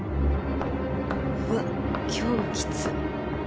うわっ今日もきつい。